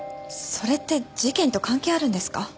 それって事件と関係あるんですか？